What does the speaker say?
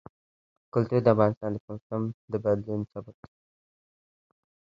کلتور د افغانستان د موسم د بدلون سبب کېږي.